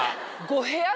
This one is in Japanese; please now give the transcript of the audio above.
５部屋！